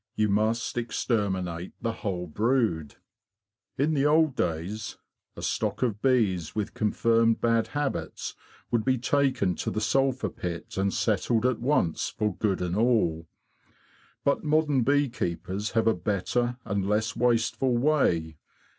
You must exterminate the whole brood. In the old THE HONEY THIEVES 131 days, a stock of bees with confirmed bad habits would be taken to the sulphur pit and settled at once for good and all. But modern bee keepers have a better and less wasteful way.